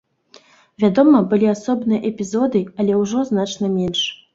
Вядома, былі асобныя эпізоды, але ўжо значна менш.